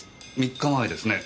３日前ですね。